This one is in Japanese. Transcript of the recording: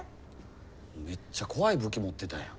めっちゃ怖い武器持ってたやん。